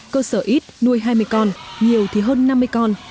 cơ sở ít nuôi hai mươi con nhiều thì hơn năm mươi con